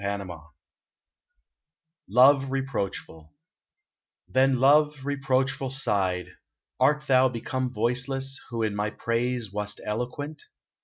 109 LOVE, REPROACHFUL ^ I ''HEN Love, reproachful, sighed :" Art thou become Voiceless, who in my praise wast eloquent